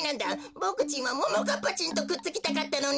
ボクちんはももかっぱちんとくっつきたかったのに。